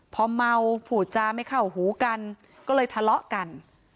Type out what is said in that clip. พอเมาผูดจาไม่เข้าหูกันก็เลยทะเลาะกัน